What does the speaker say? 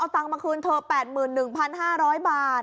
ตังค์มาคืนเธอ๘๑๕๐๐บาท